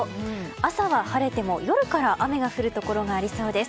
朝は晴れても夜から雨が降るところがありそうです。